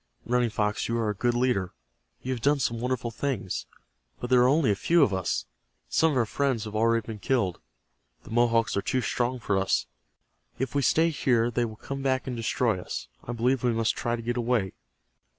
Running Fox, you are a good leader. You have done some wonderful things. But there are only a few of us. Some of our friends have already been killed. The Mohawks are too strong for us. If we stay here they will come back and destroy us. I believe we must try to get away."